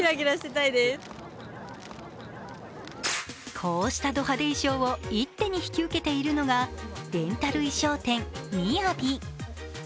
こうしたド派手衣装を一手に引き受けているのが、レンタル衣装店、みやび。